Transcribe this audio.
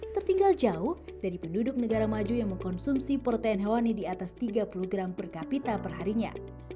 tertinggal jauh dari penduduk negara maju yang mengkonsumsi protein hewani di atas tiga puluh gram per kapita perharinya